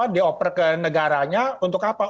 dioper ke negaranya untuk apa